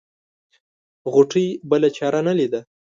غوټۍ بله چاره نه ليده.